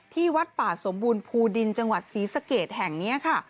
ที่วัดป่าสมบูรณ์ภูดินจังหวัดศรีสะเกดแห่งนี้ค่ะ